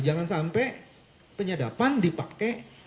jangan sampai penyadapan dipakai